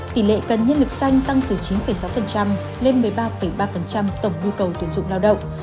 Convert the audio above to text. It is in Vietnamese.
tỷ lệ cần nhân lực xanh tăng từ chín sáu lên một mươi ba ba tổng nhu cầu tuyển dụng lao động